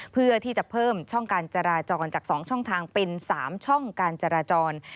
เพื่อที่จะเพิ่มช่องการจราจรจาก๒ช่องทางเป็น๓ช่องการจราจร